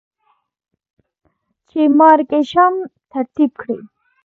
چې Mark Isham ترتيب کړې ده.